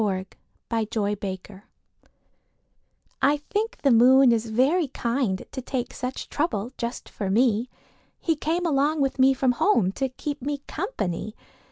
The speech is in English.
II The Kind Moon I think the moon is very kind To take such trouble just for me. He came along with me from home To keep me company.